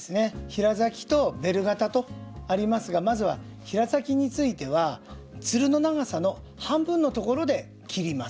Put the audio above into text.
平咲きとベル形とありますがまずは平咲きについてはつるの長さの半分のところで切ります。